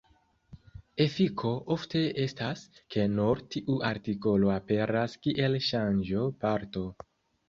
Efiko ofte estas, ke nur tiu artikolo aperas kiel ŝanĝo-parto.